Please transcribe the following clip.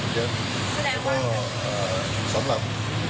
เพราะว่าสำหรับ